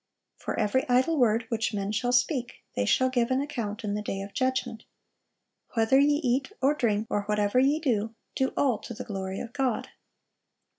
'For every idle word which men shall speak, they shall give an account in the day of judgment.' 'Whether ye eat, or drink, or whatever ye do, do all to the glory of God.